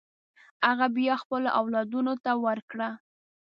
هغه بیا خپلو اولادونو ته ورکړه.